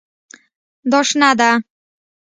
دا شنه ده